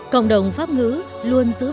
cộng đồng pháp ngữ luôn giữ vững